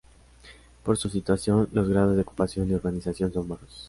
Por su situación, los grados de ocupación y urbanización son bajos.